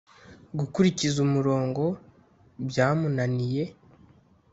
gukurikiza umurongo bya munaniye